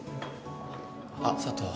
あっ佐都？